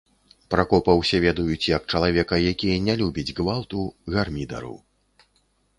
Пракопа ўсе ведаюць як чалавека, які не любіць гвалту, гармідару.